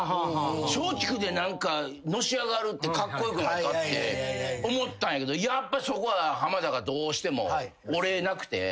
松竹で何かのし上がるってカッコ良くないかって思ったんやけどやっぱそこは浜田がどうしても折れなくて。